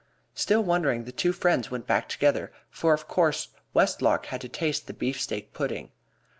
Still wondering, the two friends went back together, for of course Westlock had to taste the beefsteak pudding.